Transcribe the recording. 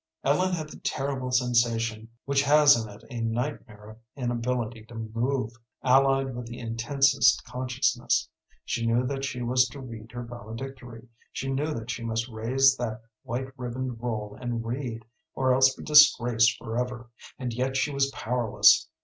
Ellen had the terrible sensation which has in it a nightmare of inability to move, allied with the intensest consciousness. She knew that she was to read her valedictory, she knew that she must raise that white ribboned roll and read, or else be disgraced forever, and yet she was powerless.